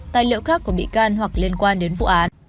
tài liệu khác của bị can hoặc liên quan đến vụ án